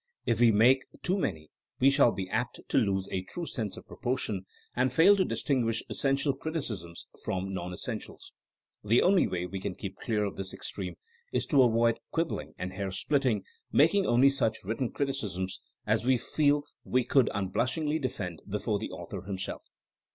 If we make too many we shall be apt to lose a true sense of proportion and fail to distinguish essential criticisms from nonessentials. The only way we can keep clear of this extreme is to avoid quibbling and hair splitting, making only such written criticisms as we feel we could un 160 THINEINO AS A SOIENOE blushingly defend before the author himself.